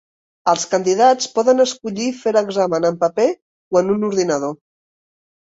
Els candidats poden escollir fer l'examen en paper o en un ordinador.